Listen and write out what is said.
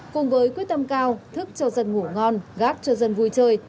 cùng với quyết tâm cao thức cho dân ngủ ngon gác cho dân vui chơi